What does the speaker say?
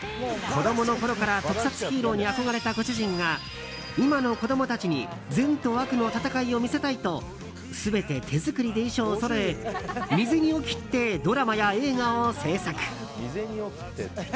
子供のころから特撮ヒーローに憧れたご主人が今の子供たちに善と悪の戦いを見せたいと全て手作りで衣装をそろえ身銭を切ってドラマや映画を制作。